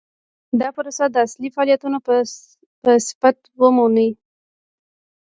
دا پروسه د اصلي فعالیتونو په صفت ومني.